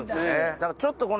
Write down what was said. だからちょっとこの。